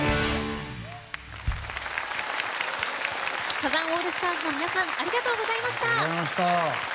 サザンオールスターズの皆さんありがとうございました。